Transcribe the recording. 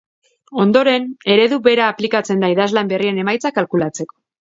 Ondoren, eredu bera aplikatzen da idazlan berrien emaitzak kalkulatzeko.